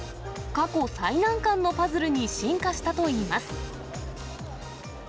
過去最難関のパズルに進化したといいます。